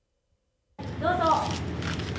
どうぞ。